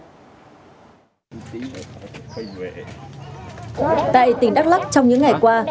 tại tỉnh đắk lắc trong những ngày qua